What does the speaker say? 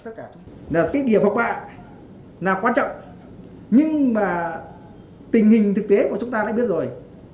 cái điểm học bạ là quan trọng nhưng mà tình hình thực tế của chúng ta đã biết rồi